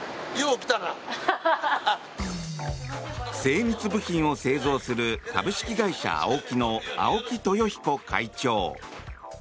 精密部品を製造する株式会社アオキの青木豊彦会長。